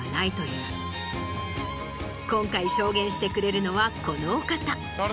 今回証言してくれるのはこのお方。